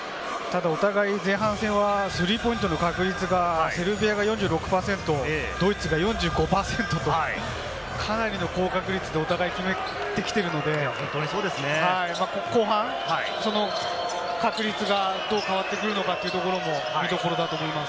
お互い、前半戦はスリーポイントの確率がセルビア４６％、ドイツが４５％と、かなりの高確率でお互いに決めてきてるので、後半、その確率がどう変わってくるのかというところも見どころだと思います。